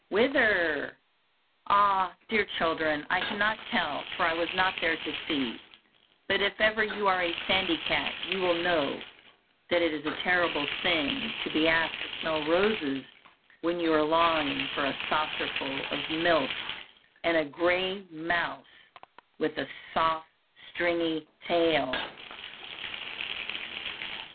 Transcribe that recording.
Whither? Ah, dear children, I cannot tell, for I was not there to see; but if ever you are a sandy cat you will know that it is a terrible thing to be asked to smell roses when you are longing for a saucerful of milk and a grey mouse with a soft stringy tail.